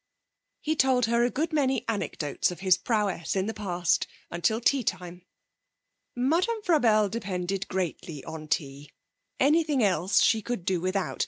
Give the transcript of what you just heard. He told her a good many anecdotes of his prowess in the past, until tea time. Madame Frabelle depended greatly on tea; anything else she could do without.